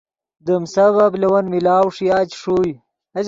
دیم سبب لے ون ملاؤ ݰویا چے ݰوئے